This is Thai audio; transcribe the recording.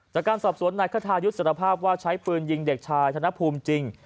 จากการสอบสวนนายคทายุทธ์สารภาพว่าใช้ปืนยิงเด็กชายธนภูมิจริง